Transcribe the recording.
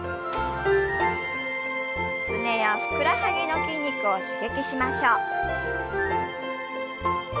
すねやふくらはぎの筋肉を刺激しましょう。